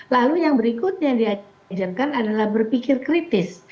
lalu yang berikut yang diajarkan adalah berpikir kritis